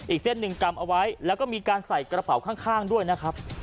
อีกเส้นหนึ่งกำเอาไว้แล้วก็มีการใส่กระเป๋าข้างด้วยนะครับ